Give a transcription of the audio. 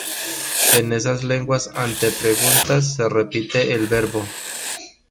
En esas lenguas ante preguntas, se repite el verbo.